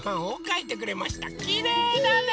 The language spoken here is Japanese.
きれいだね！